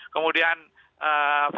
kemudian kita dorong sebagainya